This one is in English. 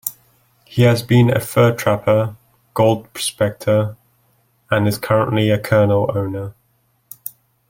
He has been a fur trapper, gold prospector, and is currently a kennel owner.